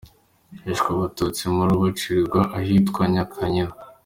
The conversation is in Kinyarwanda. Hishwe Abatutsi i Mururu bicirwa ahitwa Nyakanyinya.